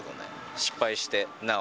失敗してなお。